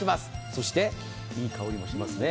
そしていい香りもしますね。